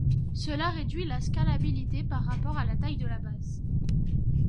Cela réduit la scalabilité par rapport à la taille de la base.